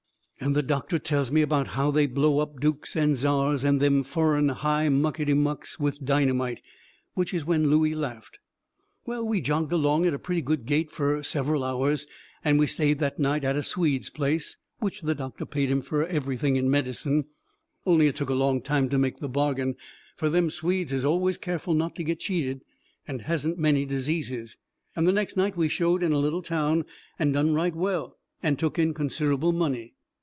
And the doctor tells me about how they blow up dukes and czars and them foreign high mucky mucks with dynamite. Which is when Looey laughed. Well, we jogged along at a pretty good gait fur several hours, and we stayed that night at a Swede's place, which the doctor paid him fur everything in medicine, only it took a long time to make the bargain, fur them Swedes is always careful not to get cheated, and hasn't many diseases. And the next night we showed in a little town, and done right well, and took in considerable money.